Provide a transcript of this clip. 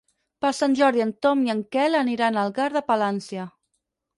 Per Sant Jordi en Ton i en Quel aniran a Algar de Palància.